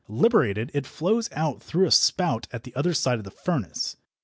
Liberated, it flows out through a spout at one side of the furnace.